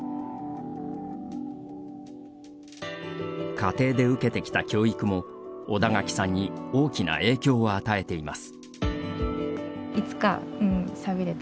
家庭で受けてきた教育も小田垣さんに大きな影響を与えています。